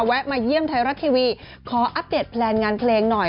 มาเยี่ยมไทยรัฐทีวีขออัปเดตแพลนงานเพลงหน่อย